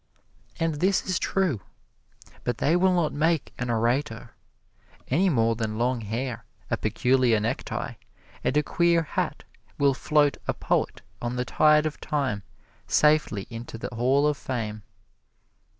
And this is true. But they will not make an orator, any more than long hair, a peculiar necktie, and a queer hat will float a poet on the tide of time safely into the Hall of Fame.